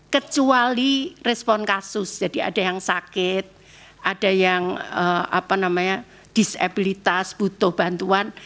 kecuali respon kasus jadi ada yang sakit ada yang apa namanya disabilitas butuh bantuan